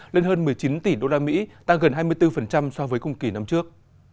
lên hơn một mươi chín tỷ usd tăng gần hai mươi bốn so với cùng kỳ năm trước